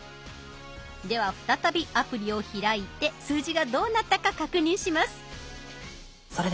では再びアプリを開いて数字がどうなったか確認します。